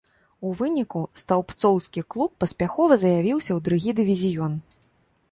У выніку стаўбцоўскі клуб паспяхова заявіўся ў другі дывізіён.